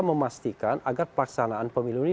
memastikan agar pelaksanaan pemilu ini